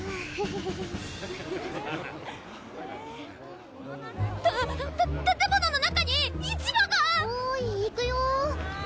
ハハハた建物の中に市場が⁉おい行くよ？